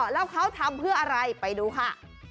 แล้วเขาทำเพื่ออะไรไปดูค่ะ